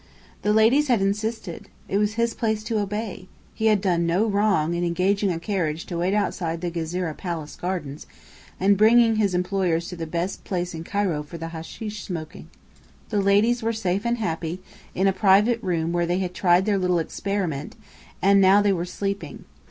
The ladies had insisted. It was his place to obey. He had done no wrong in engaging a carriage to wait outside the Ghezireh Palace gardens, and bringing his employers to the best place in Cairo for the hasheesh smoking. The ladies were safe and happy, in a private room where they had tried their little experiment, and now they were sleeping.